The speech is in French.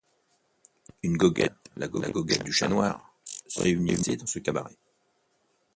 Une goguette, la Goguette du Chat Noir, se réunissait dans ce cabaret.